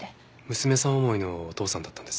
娘さん思いのお父さんだったんですね。